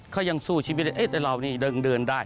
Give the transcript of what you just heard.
เขายังสู้ชีวิตแต่เรานี่เดินได้